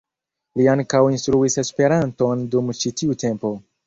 Li ankaŭ instruis Esperanton dum ĉi tiu tempo.